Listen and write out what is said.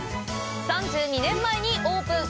３２年前にオープン。